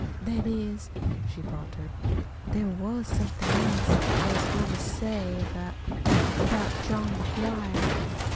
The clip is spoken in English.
"That is," she faltered, "there was somethin' else I was goin' to say, about about John McGuire.